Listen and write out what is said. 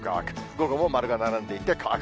午後も丸が並んでいて乾く。